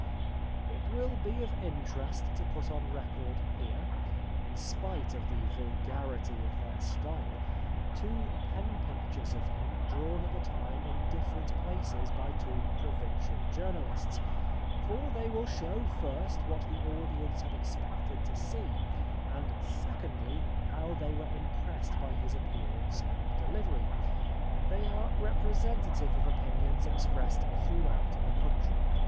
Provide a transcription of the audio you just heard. It will be of interest to put on record here — in spite of the vulgarity of their style — two pen pictures of him drawn at the time in different places by two provincial journalists, for they will show first what the audience had expected to see, and secondly how they were impressed by his appearance and delivery. They are repre sentative of opinions expressed throughout the country.